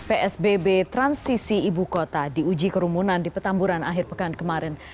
psbb transisi ibu kota diuji kerumunan di petamburan akhir pekan kemarin